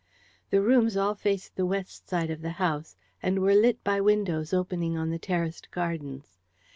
The rooms all faced the west side of the house, and were lit by windows opening on the terraced gardens.